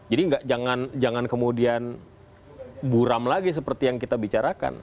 jadi jangan kemudian buram lagi seperti yang kita bicarakan